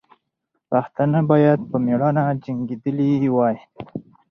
پښتانه باید په میړانه جنګېدلي وای.